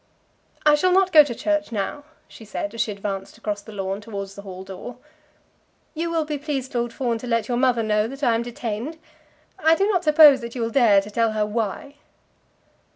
"I shall not go to church now," she said, as she advanced across the lawn towards the hall door. "You will be pleased, Lord Fawn, to let your mother know that I am detained. I do not suppose that you will dare to tell her why."